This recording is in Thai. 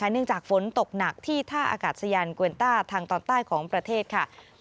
เนื่องจากฝนตกหนักที่ท่าอากาศยานกวนต้าทางตอนใต้ของประเทศค่ะ